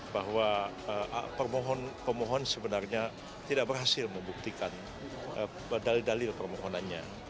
bahwa permohon pemohon sebenarnya tidak berhasil membuktikan dalil dalil permohonannya